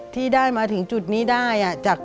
ที่ได้มาถึงจุดนี้ได้